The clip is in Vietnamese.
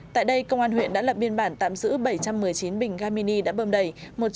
tại đây công an huyện đã lập biên bản tạm giữ bảy trăm một mươi chín bình ga mini đã bơm đầy